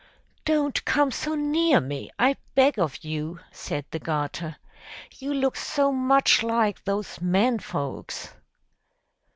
"Don't come so near me, I beg of you!" said the garter. "You look so much like those men folks."